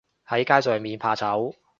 喺街上面怕醜